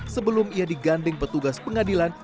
sebelum ia diganding petugas pengadilan